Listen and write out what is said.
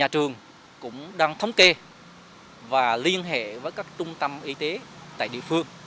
trường cũng đang thống kê và liên hệ với các trung tâm y tế tại địa phương